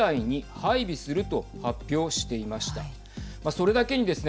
それだけにですね